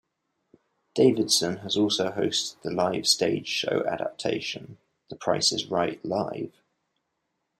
Davidson has also hosted the live stage show adaptation, The Price Is Right Live!